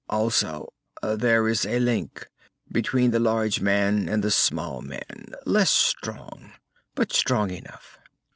Also, there is a link between the large man and the small man, less strong, but strong enough."